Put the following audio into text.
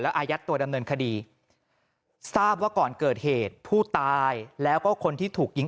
อายัดตัวดำเนินคดีทราบว่าก่อนเกิดเหตุผู้ตายแล้วก็คนที่ถูกยิง